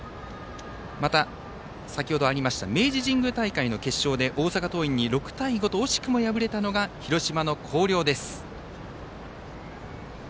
また明治神宮大会決勝で大阪桐蔭に６対５と惜しくも敗れたのが広島の広陵です。